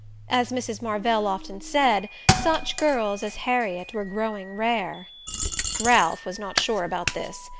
As Mrs. Marvell often said, such girls as Harriet were growing rare. Ralph was not sure about this.